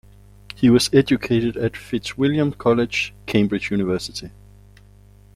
He was educated at Fitzwilliam College, Cambridge University.